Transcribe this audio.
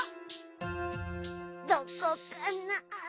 どこかな？